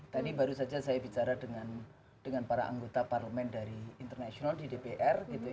tadi baru saja saya bicara dengan para anggota parlemen dari internasional di dpr